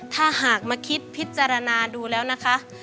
ถ้าหากมาคิดพิจารณาดูแล้วนะคะ